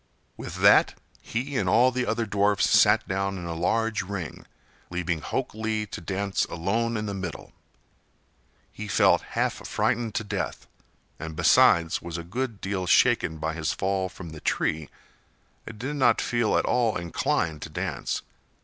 With that, he and all the other dwarfs sat down in a large ring, leaving Hok Lee to dance alone in the middle. He felt half frightened to death, and besides was a good deal shaken by his fall from the tree and did not feel at all inclined to dance.